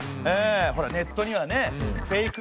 ネットにはねフェイク。